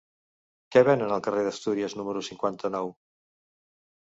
Què venen al carrer d'Astúries número cinquanta-nou?